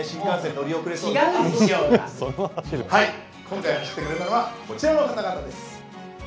今回走ってくれるのはこちらの方々です。